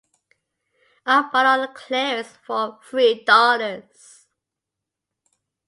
I bought it on clearance for three dollars.